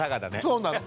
そうなの。